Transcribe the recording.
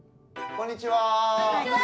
こんにちは！